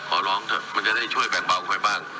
ขอร้องเถอะมันจะได้ช่วยแบ่งเบาใครบ้าง